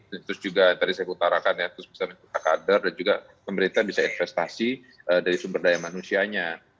terus juga tadi saya putarakan bisa mengikuti kader dan juga pemerintah bisa investasi dari sumber daya manusianya